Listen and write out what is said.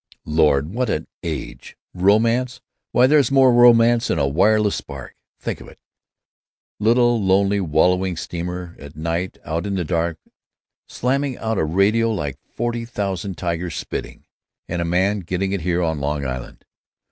"Lord! what an age! Romance—why, there's more romance in a wireless spark—think of it, little lonely wallowing steamer, at night, out in the dark, slamming out a radio like forty thousand tigers spitting—and a man getting it here on Long Island.